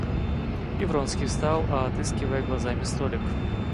И Вронский встал, отыскивая глазами столик.